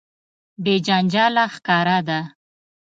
بې جنجاله ښکاره ده.